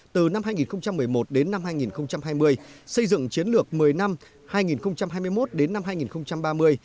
từ năm hai nghìn một mươi một đến năm hai nghìn hai mươi xây dựng chiến lược một mươi năm hai nghìn hai mươi một đến năm hai nghìn ba mươi